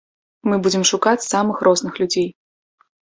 Мы будзем шукаць самых розных людзей.